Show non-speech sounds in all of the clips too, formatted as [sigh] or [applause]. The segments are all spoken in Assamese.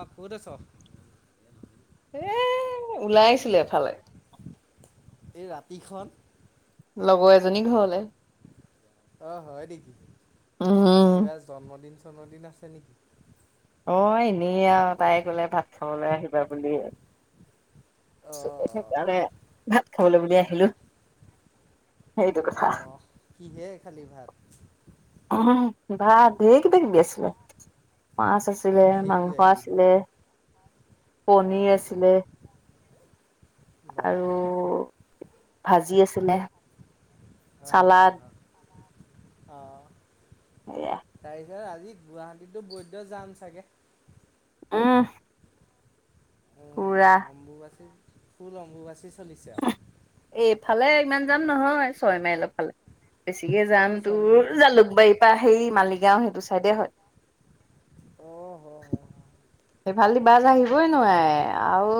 অ পৰেচ এ ওলাইছিলো এফালে এই ৰাতিখন লগৰ এজনী ঘৰলে অ হয় নেকি উম কিবা জন্মদিন জনন্মদিন আছে নেকি? অ' এনেই আৰু তাই কলে ভাত খাবলৈ আহিবা বুলি‌ অ অ সেইকাৰণে ভাত খাবলৈ বুলি অ আহিলো সেইটো অ কথা। কিহে খালি ভাত ভাত ধেৰ কিবা কিবি আছিলে মাছ আছিলে ধেই কিবা মাংস কিবি আছিলে অ কণী আছিলে। বা আৰু ভাজি আছিলে। হ হা চালাদ হা আহ। এয়া। আজি গুৱাহাটীতো বৈদ জাম চাগে। আহ। অ' অম্বুবাচী ফুল অম্বুবাচী চলিছে আৰু। এইফালে ইমান যাম নহয় ছয় মাইলৰ ফালে। বেছিকে অ যাম ছয়মাইলৰ তোৰ ফালে জালুকবাৰীৰ পৰা সেই মালিগাঁও সেইটো চাইডে হয়। [inaudible] সেইফালদি বাছ সেইফালে আহিবই এতিয়া নোৱাৰাৰে আৰু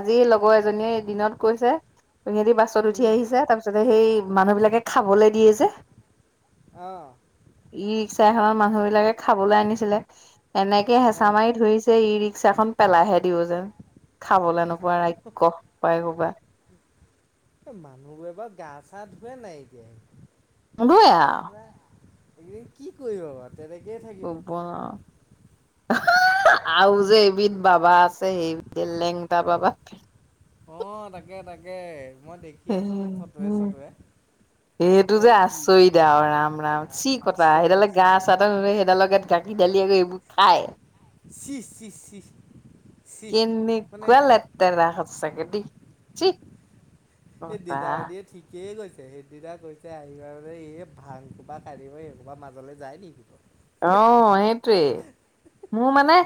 আজি লগ লগৰ এজনীয়ে দিনত কৈছে সিহঁতি বাছত উঠি উম আহিছে তাৰ পিছতে সেই মানুহ বিলাকে খাবলে দিয়ে যে। অ'। ত মানুহ বিলাকে খাবলৈ আনিছিলে এনেকে অ হেঁচা মাৰি ধৰি, ৰিক্সা খন পেলাইহে দিও যেন খাবলৈ নোপোৱা ৰাগ্স পাই ক'বা। এ মানুহবোৰ এবাৰ গা চা ধোৱে নাই এতিয়া। হ'ভয়ে আও এদিন কি কৰিব আ শব আৰু যেবিধ [unintelligible] বাবা আছে সেই লেংটা বাবা। অ' তাকে তাকে মই দেখি আছো ফটোুৱে চটুৱে। সেইটো যে আচৰিত আও ৰাম ৰাম চি কথা আচৰিত সেইডালে গা আচৰিত চা ত সেইডাল লগ গ দালি আ গ এইবোৰ খায় [unintelligible] চি চি চিঃ। কেনেকুৱা লেটাৰা সচাঁকে দেই চিঃ। এই দিদাৱ দ ঠিকেই গৈছে [unintelligible] তে সেইদিনা কৈছে আহিব এই ভাং কোবা ক়িব এইোবা মাজলৈ যায় নেকি? আহ সেইটোৱেই মোৰ মানে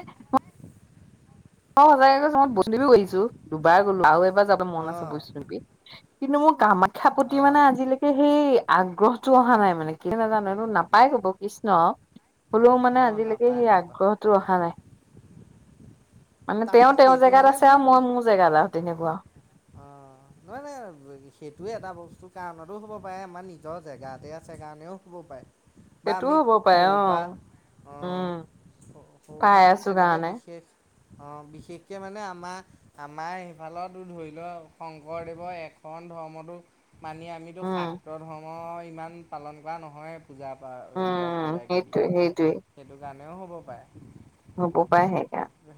অ' সজাগ চত বৈষ্ণৱী বিছো দুবাৰ গলো আৰু এবাৰ যাব মন অ আছে বৈষ্ণ দেৱী। কিন্তু মোৰ কামাখ্যাৰ প্ৰতি অ মানে আজিলৈকে সেই আগ্ৰহটো অহা নাই মানে কি নাজানো নাপাই কব কৃষ্ণ। হ'লেও অ মানে আজিলৈকে নাপায় সেই নাপায় আগ্ৰহটো অহা নাই। মানে তেওঁ তাকে তেওঁৰ সেইটো জেগাত মানে আছে আৰু মই মোৰ জেগাত আহ তেনেকুৱা। [inaudible] নহ নহ সেইটোয়ে এটা বস্তু কাৰণতো হ'ব পাৰে আমাৰ নিজৰ জেগাতে আছে কাৰণেও হ'ব পাৰে। বা সেইটোও আমি হ'ব পাৰে সৰুৰ অ' উম। হ' বা পাই আমি আছো তেনেকে কাৰণে বিশেষ অ' বিশেষকে মানে আমাৰ আমাৰ সেইফালতো ধৰিল শংকৰদেৱৰ এখন ধৰ্মটো মানি আমিতো উম, সাত্ৰ ধৰ্ম ইমান পালন কৰা নহয় পূজা এইবিলাক উম, কিবা কিবি সেইটোৱে সেই কাৰণে। তেনেও হ'ব পাৰে। হুব পায়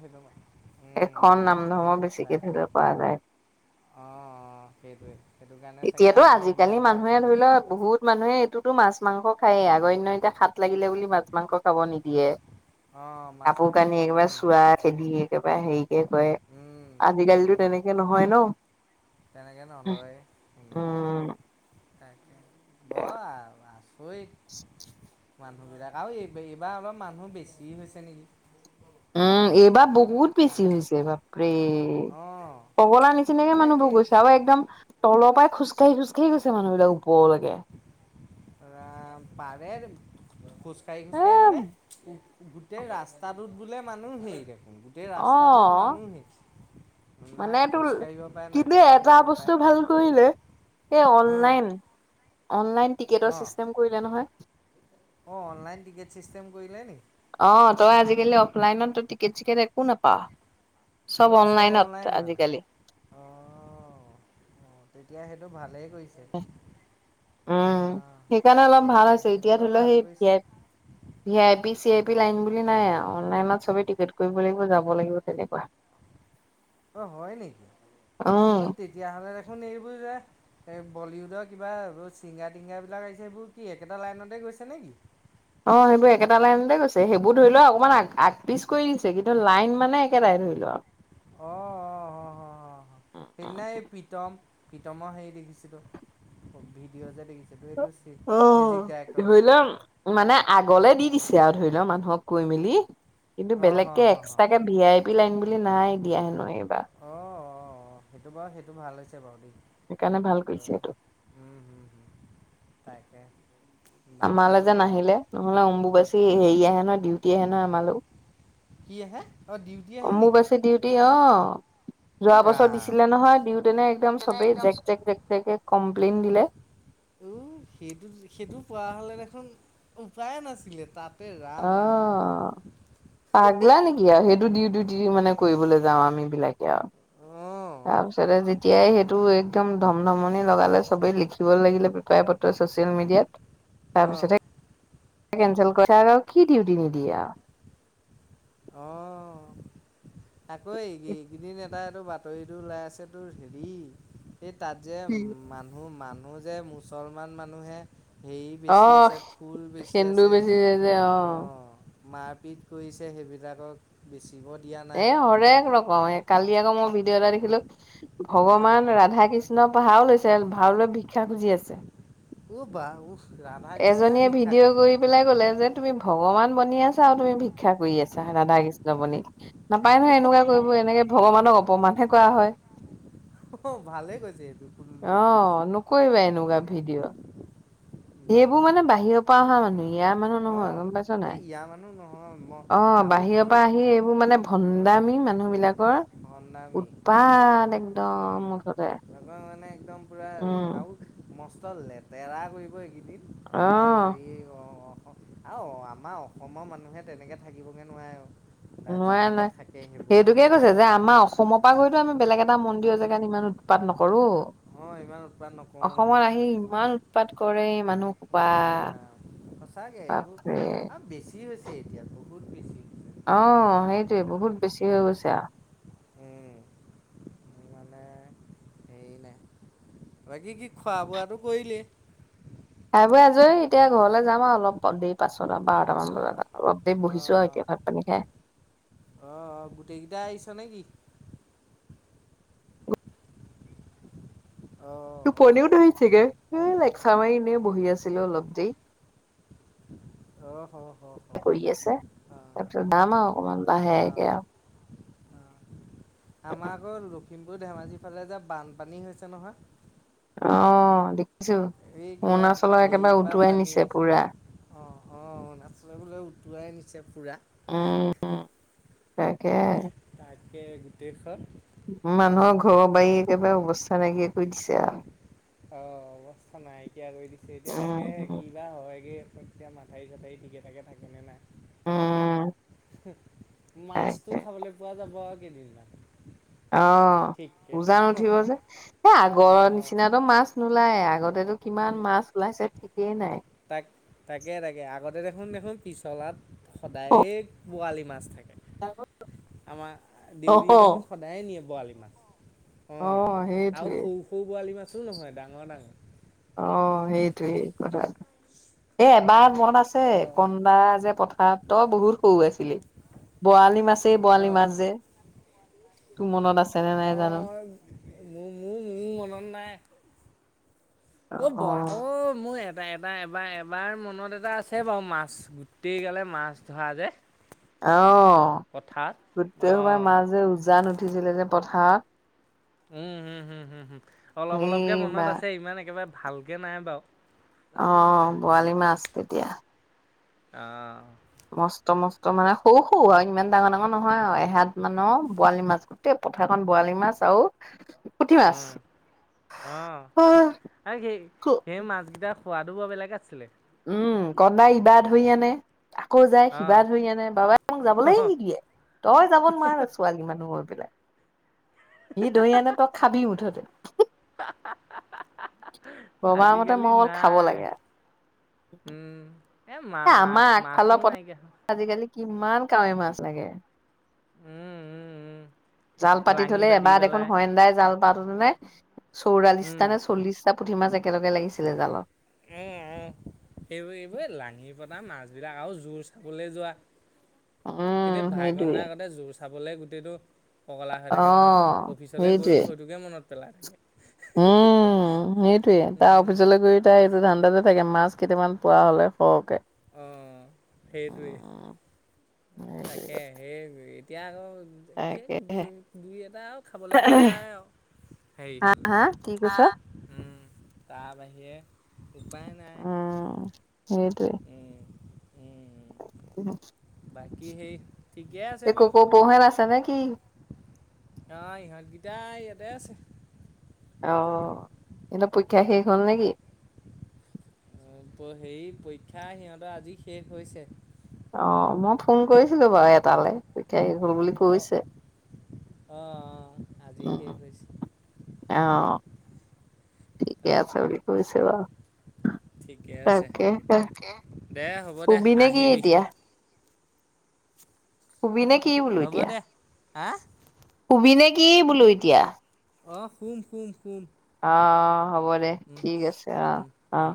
সেইটো উম, এখন উম, নাম ধৰ্ম তাক বেছিকে ধৰিব পৰা যায়। [inaudible] সেইটো কাৰণে চাগে এতিয়াতো আমাৰ ইমান আজিকালি এটা মানুহে আগ্ৰহ ধৰি লও বহুত মানুহে এইটোতো মাছ মাছ মাংস খায়েই আগণ্য এতিয়া খাত লাগিলে বুলি মাছ মাংস খাব নিদিয়ে অঁ মাছ কাপোৰ মাংস কানি খাব একেবাৰে নিদিয়ে চোৱা খেদি একেবাৰে হেৰিকে কৰে উম আজিকালিিতো তেনেকে এ নহয় ন তেনেকে নলইয়ে উম, তাকে ব আছই মানুহবিলাক আৰু এই এইবাৰ অলপ মানুহ বেছি হৈছে নেকি উম এইবাৰ বহুত তাৰ বেছি হৈছে বাপৰে অঁ কগলা নিচিনাকে মানে মানুহ কি বোৰ গৈছে আৰু একদম তলৰ পৰাই খোজকাঢ়ি খোজকাাঢ়ি গৈছে মানুহবিলাক ওপৰলৈকে অ পাৰে খোজকাঢ়ি এ খোজকাঢ়ি মানে গোটেই ৰাস্তাটোত বোলে মানুহেই দেখোন গোটেই অ ৰাস্তাটোত মানুহেই না মানে তোৰ খোজকাঢ়িব পাৰে না কিন্তু কিবা এটা কৰিব পাৰে বস্তু ভাল কৰিলে এই অঁ অনলাইন অনলাইন টিকেটৰ চিষ্টেম কৰিলে নহয় অ অনলাইন টিকেট চিষ্টেম কৰিলে নেকি অ তই আজিকালি অফলাইনত টিকেট চিকেট একো নাপাৱ অ চব অনলাইনত অনলাইন মানে আজিকালি অ অ তেতিয়া সেইটো ভালেই ছে উম সেইকাৰণে অলপ ভাল হৈছে সেইটো এতিয়া ধৰি বাৰু লও ভাল সেই কৰিছে B V I P C I P লন নলাইনত কলৈকো যাব লাগিব তেনেকুৱা অ হয় নেকি উম অ তেতিয়াহ'লে দেখোন এইবোৰ যে এই বলিউডৰ কিবা এইবোৰ চিংগাৰ টিংগাৰ বিিলাক আহিছে এইবোৰ কি একেটা লাইনতে গৈছে নে কিি অ সেইবোৰ একেটা লাইনতে গৈছে সেইবোৰ ধৰি লও অকনমান আ আগ পিচ কৰি দিছে কিন্তু লাইন মানে একেটাই ল [inaudible] কিতমৰ হেৰি দেখিছিলো ভিডিঅ' যে দেখিছিলোো সেইটো অ ধৰি লও মানে আগলে দি দিছে আৰু ধৰি লও মানুহক কৈ মেলি কিন্তু অঁ হ বেলেগ হ কেে হ এক্সট্ৰাক কেে ভি আই পি লাইন বুলি নাই দিয়া হেনো এইবাৰ অ অ সেইটো বাৰু সেইটো ভাল হৈছে বাৰু দেই সেইকাৰণে ভাল কৰিছে এইটো তাইাকে আমালৈ যেন নাহিলে নহলে অম্বু বচি হেৰি আহে নহয় ডিউটি আহে নহয় আমালেও কিহে অম্বুবাচী ডিউটি অ উ যোৱা বছৰ ৰাম দিছিলে নহয় দিওঁতেনে একদম চবেই জেক জেক জেক জেক কমপ্লেইন দিলে উ সেইটো সেইটো পোৱা হলে দেখোন উপায়ে নাছিলে তাত অ পাগলা নেকি আৰু সেইটো দি দু যি মানে কৰিবলৈ যাওঁ আমি বিলাকে আৰু অঁ তাৰপিছতে যেতিয়াই সেইটো একদম ধম ধমনি লগালে সবেই লিখিব লাগিলে বিপায় পত্ৰ ছচিয়েল মিডিয়াত অঁ তাৰপিছত কেেল কৰি আৰু কি ডিউটি নিদিয়ো অ আকৌ এই কি কেইদিন এইটো বাতৰিটো ওলাই আছে তোৰ বি এই তাত যে মানুহ মান মানুহ যে মুছলমান মানুহে হেৰি বেছি অ' আছে ফুল বেছি সেন্দুৰ আছে বেচিছে যে অ'। অঁ মাৰপিট কৰিছে সেইবিলাকক বেছ এ হৰেক ৰকম এই কালি আকৌ মই ভিডিঅ' এটা দেখিলো অ' ভগৱান ৰাধা কৃষ্ণ পঢাহাৰ লৈছে ভাাৰলৈ ভিক্ষা খুজি আছে উবা উ ৰাধা কৃষ্ণই এজনীয়ে ভিক্ষা ভিডিঅ' খোজে কৰি পেলাই কলে যে তুমি ভগৱান বনি আছা আৰু তুমি ভিক্ষা কৰি আছা ৰাধা কৃষ্ণ বণি নাপায় নহয়। এনেকুৱা কৰিব এনেকে ভগৱানক অপমানহে কৰা হয়। অ' ভালেই কৈছে এইটো পুলুমুলিকে কৈছে অ নকৰিবা অ' এনেকুৱা ভিডিঅ'। বা এইবোৰ মানে বাহিৰৰ পৰা অহা মানুহ। ইয়াৰ মানুহ নহয় অ' গম পাইছ নে নাই। এই ইয়াৰ মানুহ নহয় মই অ আৰু বাহিৰৰ তোৰ পৰা আহি এইবোৰ মানে অ' ভন্দামী মানুহ বিলাকৰ। ভণ্ডামি উৎপাত একদম। উম মুঠতে তাৰপৰামানে একদম মানে পুৰা উম, আৰু মস্ত লেতেৰা কৰিব। আমাৰ অ', যাৰে অ'অ। আও আমাৰ অসমৰ মানুহে তেনেকে থাকিবগে নোৱাৰে। নোৱাই যেনেকৈ থাকে নোৱাই সেইবোৰ সেইটোকে কৈছে যে আমাৰ অসমৰ পৰা অ' গৈ তো আমি বেলেগ এটা মন। [unintelligible] জেগাত ইমান উৎপাত নকৰো। অ' ইমান উৎপাত নকৰোঁ নহয় অসমত আহি ইমান উৎপাত কৰে এই মানুহ সোপা। মোৰ ৰাম সঁচাকে এইবোৰ বাপৰে। আ বেছি হৈছে এতিয়াতো। অ সেইটোৱে বহুত বেছি হৈ গৈছে আ। [unintelligible] সেই নাই বাকী কি খোৱা বোৱাটো কৰিলেই। খাই ব আজৰি এতিয়া ঘৰলৈ যাম আৰু অলপ দেৰি পাছত। বাৰটামান বজাত অলপ টাইম বহিছো আৰু অ', এতিয়া ভাত পানী খাই। অ গোটেইকেইটাই আহিছ নেকি? অ', টোপনিও অ'। ধৰিছেগে এ এই লেকচা অ', মাৰি এনে বহি আছিলো অলপ দেৰি। অহ, অহ, অ'অ। কৰি আছে তাৰপিছত যাম আ অকমান লাহেকৈ আ। আমাৰ আকৌ লখিমপুৰ ধেমাজিৰ ফালে যে বানপানী হৈছে নহয়। অ দেখিছো এই কিবা অৰুণাচলৰ একেবাৰে হেৰিৰ পৰা উটুৱাই পানী নিছে আহিছে পুৰা। অ', অ অৰুণাচলে বোলে উটোৱাই নিছে পুৰা। উম তাকে। গোটেই খন মানুহৰ ঘৰৰ বাৰী একেবাৰে অৱস্থা নাইকিয়া কৰি দিছে আ। অ অৱস্থা নাইকিয়া কৰি দিছে এতিয়া আৰু তাকে উম ক বা হয়গে। এতিয়া মাঠী চথাৰি ঠিকে থাকে থাকেনে নাই। উম মাছটো তাকে খাবলৈ পোৱা যাব আৰু কেইদিনমান। অ ঠিককে ওজান উঠিব যে, এ আগৰ অ' নিচিনাতো মাছ নোলায় আগতে। দেচোন কিমান মাছ ওলাইছে ঠিকেই নাই। তাক তাকে তাকে আগতে দেখোন দেখোন পিছলাত সদায় বৰালি মাছ থাকে। ডাগত। আমাৰ দেউৰীয়ে দেখোন সদায় নিয়ে বৰালি মাছ। অ' আৰু সেইটোৱে, সৰু সৰু বৰালি মাছো নহয়, ডাঙৰ ডাঙৰ। অ' সেইটোয়েই কথাটো এ এবাৰ মনত আছে অঁ কন্দা যে পথাৰত তই বহুত সৰু আছিলি বৰালি মাছে। সেই বৰালি অঁ মাছ যে। তোৰ মনত আছেনে নাই জানো। অঁ মোৰ মোৰ মোৰ মনত নাই অ' বয়া অ' মোৰ এই এবাৰ এবাৰ এবাৰ মনত এটা আছে বাৰু মাছ গোটেই গালে মাছ ধৰা যে। অ পথাৰত গোটেই সোপা অঁ মাছ যে উজান উঠিছিলে যে পথাৰত। উম হম। হম। হম। হম। অলপ সেই অলপকে বা মনত আছে ইমান একেবাৰে ভালকে নাই বাৰু। অ'অ বৰালি মাছ তেতিয়া। অ মস্ত মস্ত মানে সৰু সৰু আৰু ইমান ডাঙৰ ডাঙৰ নহয় আৰু এহাত মানৰ বৰালি মাছ গোটেই। পথাৰখন বৰালি মাছ আৰু। পুঠি মাছ। অহ অ আৰু সেই সেই মাছকেইটা। সোৱাদো বৰ বেলেগ আছিলে। উম কন্দাই ইবা ধৰি উম, আনে আকৌ যায় অঁ সিবা ধৰি আনে বাবাই মোক যাবলৈ নিদিয়ে। তই যাব নোৱাৰ ছোৱালী মানুহ হৈ পেলাই। সি দৈ আনে তই খাবি মুঠতে। [unintelligible] বাবাৰ মতে মই খাব লাগে। উম এ মা আমাৰ আগফালৰ মাছও পথাৰত নাইকিয়া। আজিকালি কিমান কাৱৈ মাছ লাগে। উম উম উম জাল পাতি লাঙি থলে এবাৰ দেখোন পেলাই হন্দাই জাল পাতে চৌৰাল্লিশটা উম নে চল্লিশটা। পুঠি মাছ একেলগে লাগিছিলে জালত অ অ এইবোৰ এইবোৰ লাঙি পতা ম যিবিলাক আৰু জোৰ চাবলৈ যোৱা উম কেন্তয়া ভাইকাৰ সেইটোৱে আগতে জোৰ চাবলে গুটেইটো পগলা হৈ থাকে অ', নহয় অফিচলৈ গৈ সেইটোৱে। সেইটোকে মনত পেলাই থাকে। উম সেইটয়ে তাৰ উম, অফিচলৈ গৈ তাই এইটো ধানদা যে থাকে মাছ কেইটামান পোৱা হ'লে সৰহকে। অ সেইটোৱে উম, সেইটোৱে তাকে কথা সেই এতিয়া আকৌ। তাকে দু তাকেহে। দুই এটা আৰু খাবলৈ পোৱা যায় আৰু। হেৰি হা হ'লে হা কি কৈছোঁ। উম, তাৰ বাহিৰে। উপায় নাই উম সেইটোৱে। উম, উম, [unintelligible] বাকী সেই। ঠিকে আছে একো ক' বাৰু পোহে ন আছে নে কিি আহ ইহঁত গতাই ইয়াতে আছে অহ সিহঁতৰ পৰীক্ষা উম। শেষ হ'ল নেকি। হেৰি পৰীক্ষা সিহঁতৰ আজি শেষ হৈছে। অ মই ফোন কৰিছিলো বাৰু এটালৈ [unintelligible] হল বুলি কৈছে। অহ অহ আজি উম, শেষ হৈছে উম। অ', ঠিকে আছে তাকে বুলি কৈছে বাৰু ঠিকে আছে তাকেহে। দে হ'ব দে শুবি নে কি আহিবি। এতিয়া? কবি নে কি। বোলো হ'ব দে হা। পনে কি বোলো এতিয়া অ শুম শুম শুম। অহ হ'ব দে উম ঠিক আছে অ উম অ। উম